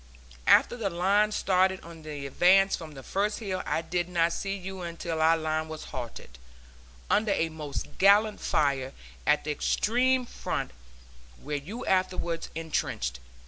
After the line started on the advance from the first hill, I did not see you until our line was halted, under a most galling fire, at the extreme front, where you afterwards entrenched.